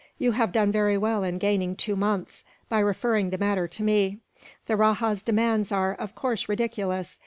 You have done very well in gaining two months, by referring the matter to me. The rajah's demands are, of course, ridiculous.